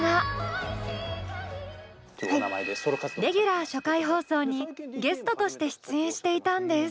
レギュラー初回放送にゲストとして出演していたんです。